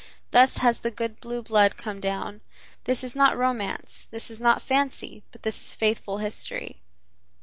Thus has the good blue blood come down. This is not romance, this is not fancy; this is but faithful history.